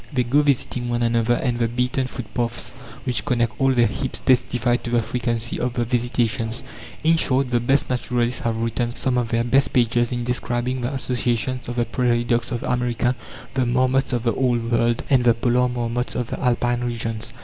They go visiting one another, and the beaten footpaths which connect all their heaps testify to the frequency of the visitations. In short, the best naturalists have written some of their best pages in describing the associations of the prairie dogs of America, the marmots of the Old World, and the polar marmots of the Alpine regions.